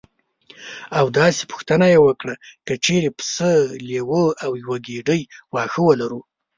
او داسې پوښتنه یې وکړه: که چېرې پسه لیوه او یوه ګېډۍ واښه ولرو.